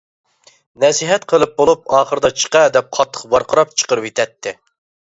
نەسىھەت قىلىپ بولۇپ ئاخىرىدا ‹چىقە› دەپ قاتتىق ۋارقىراپ چىقىرىۋېتەتتى.